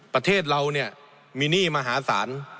ประเทศเราเนี่ยมีหนี้มหาศาล